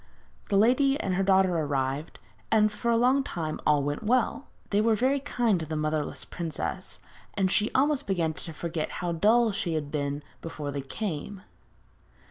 The lady and her daughter arrived, and for a long time all went well. They were very kind to the motherless princess, and she almost began to forget how dull she had been before they came.